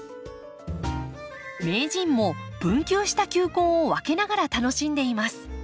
名人も分球した球根を分けながら楽しんでいます。